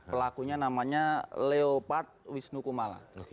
pelakunya namanya leopard wisnu kumala